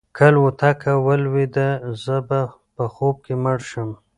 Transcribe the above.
که الوتکه ولویده زه به په خوب کې مړ شم.